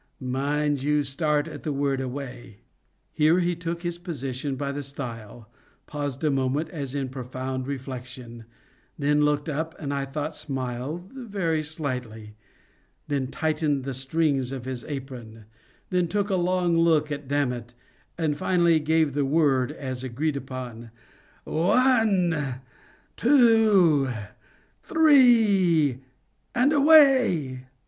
Mind you, start at the word 'away.'" Here he took his position by the stile, paused a moment as if in profound reflection, then looked up and, I thought, smiled very slightly, then tightened the strings of his apron, then took a long look at Dammit, and finally gave the word as agreed upon— _One—two—three—and—away!